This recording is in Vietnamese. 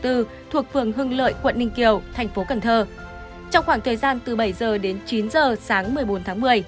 thuộc phường hưng lợi quận ninh kiều thành phố cần thơ trong khoảng thời gian từ bảy giờ đến chín giờ sáng một mươi bốn tháng một mươi